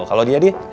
kalau dia dia